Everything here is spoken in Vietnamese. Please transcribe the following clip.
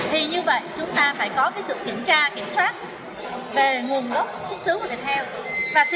thì như vậy chúng ta phải có sự kiểm tra kiểm soát về nguồn gốc xuất xứ của thịt heo